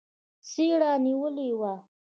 څېره نېولې وه.